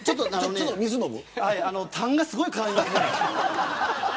たんがすごいからみますね。